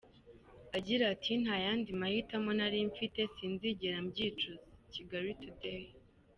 Agira ati “Nta yandi mahitamo nari mfite, sinzigera mbyicuza!”Kigali Today.